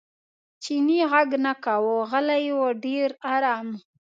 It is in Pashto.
چیني غږ نه کاوه غلی و ډېر ارام.